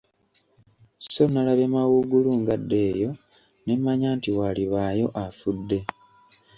Sso nnalabye mawuugulu ng'adda eyo, ne mmanya nti waalibaayo afudde.